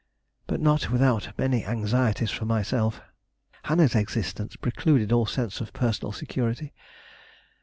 But not without many anxieties for myself. Hannah's existence precluded all sense of personal security.